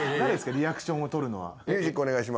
リアクションをとるのは。